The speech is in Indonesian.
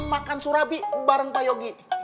makan surabi bareng payogi